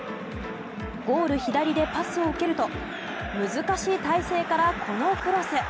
ゴール左でパスを受けると難しい体勢からこのクロス！